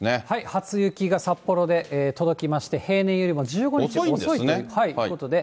初雪が札幌で届きまして、平年よりも１５日遅いということで。